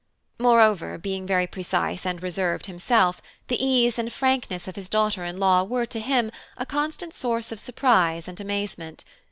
Moreover, being very precise and reserved himself, the ease and frankness of his daughter in law were, to him, a constant source of surprise and amazement.